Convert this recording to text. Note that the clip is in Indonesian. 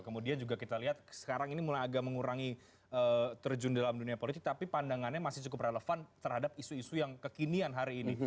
kemudian juga kita lihat sekarang ini mulai agak mengurangi terjun dalam dunia politik tapi pandangannya masih cukup relevan terhadap isu isu yang kekinian hari ini